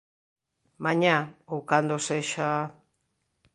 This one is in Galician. Mañá, ou cando sexa...